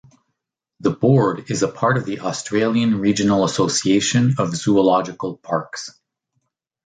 The board is a part of the Australian Regional Association of Zoological Parks.